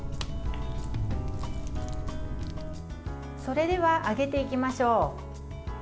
それでは揚げていきましょう。